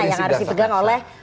yang harus dipegang oleh